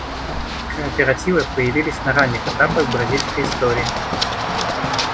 Кооперативы появились на ранних этапах бразильской истории.